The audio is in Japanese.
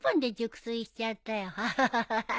アハハハハ。